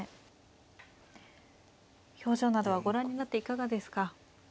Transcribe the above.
表情などはご覧になっていかがですか。